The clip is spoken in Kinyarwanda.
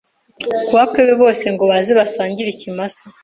ku bakwe be bose ngo baze basangire ikimasa